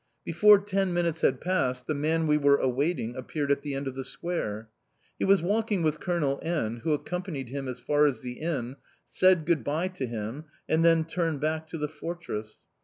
Before ten minutes had passed the man we were awaiting appeared at the end of the square. He was walking with Colonel N., who accompanied him as far as the inn, said good bye to him, and then turned back to the fortress.